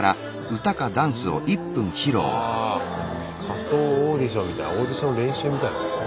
仮想オーディションみたいなオーディションの練習みたいなこと？